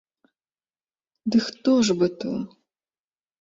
Ды хто ж бы то?